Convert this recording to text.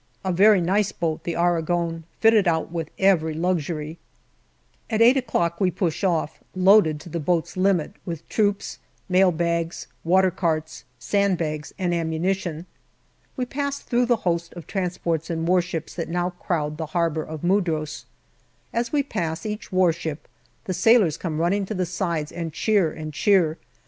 A very nice boat, the Aragon, fitted out with every luxury. At eight we push off, loaded to the boat's limit with troops, mailbags, watercarts, sand bags, and ammunition. We pass through the host of transports and warships that now crowd the harbour of Mudros. As we pass each warship the sailors come running to the sides and cheer and cheer.